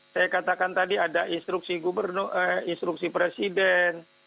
saya katakan tadi ada instruksi presiden